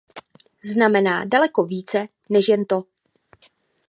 Znamená daleko více než jen to.